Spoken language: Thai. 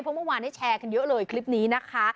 เพราะเมื่อวานได้แชร์กันเยอะเลยคลิปนี้นะคะ